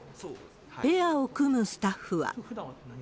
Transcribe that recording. ペアを組むスタッフは。